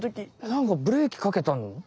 なんかブレーキかけたの？